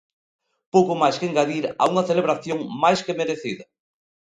Pouco máis que engadir a unha celebración máis que merecida.